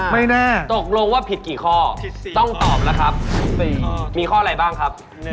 ไม่แน่ตกลงว่าผิดกี่ข้อต้องตอบแล้วครับ๔ข้อมีข้ออะไรบ้างครับ